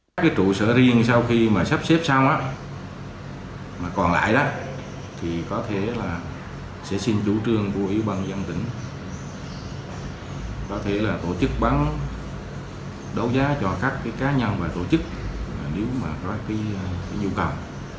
các trụ sở riêng sau khi sắp xếp xong còn lại thì có thể là sẽ xin chủ trương của ủy ban nhân tỉnh có thể là tổ chức bán đấu giá cho các cá nhân và tổ chức nếu có nhu cầu